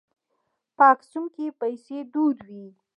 په اکسوم کې پیسې دود وې.